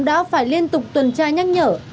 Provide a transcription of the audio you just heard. đã phải liên tục tuần tra nhắc nhở